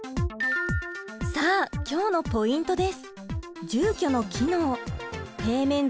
さあ今日のポイントです！